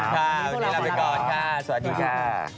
ค่ะวันนี้ลาไปก่อนค่ะสวัสดีค่ะ